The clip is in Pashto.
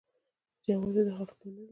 جواز یې د خلکو منل دي.